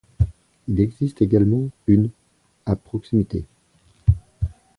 Il existe également une à proximité.